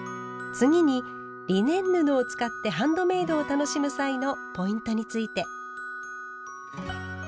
次にリネン布を使ってハンドメイドを楽しむ際のポイントについて。